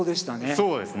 そうですね。